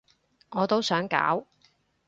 我都想搞